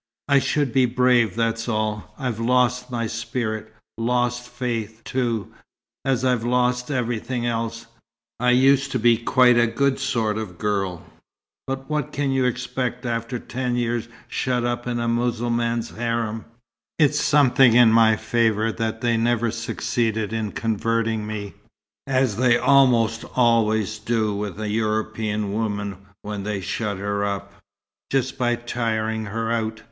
"I should be brave, that's all. I've lost my spirit lost faith, too as I've lost everything else. I used to be quite a good sort of girl; but what can you expect after ten years shut up in a Mussulman harem? It's something in my favour that they never succeeded in 'converting' me, as they almost always do with a European woman when they've shut her up just by tiring her out.